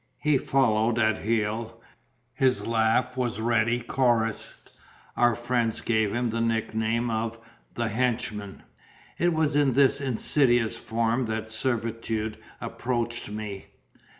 He followed at heel; his laugh was ready chorus; our friends gave him the nickname of "The Henchman." It was in this insidious form that servitude approached me.